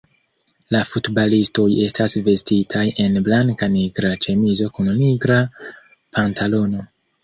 La futbalistoj estas vestitaj en blanka-nigra ĉemizo kun nigra pantalono.